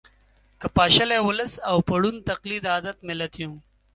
که پاشلی ولس او په ړوند تقلید عادت ملت یو